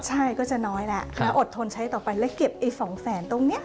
ใช่ก็จะน้อยแล้วแล้วอดทนใช้ต่อไปแล้วเก็บอีก๒๐๐๐๐๐บาทตรงนี้